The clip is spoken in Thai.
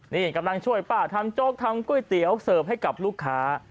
นี่กำลังช่วยป้าทำโจ๊กทำก๋วยเตี๋ยวเสิร์ฟให้กับลูกค้า